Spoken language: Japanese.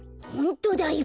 ホントだ。